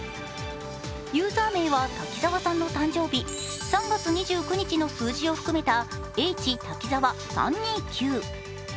ユーザー名は滝沢さんの誕生日、３月２９日の数字を含めたｈ＿Ｔａｋｉｚａｗａ３２９。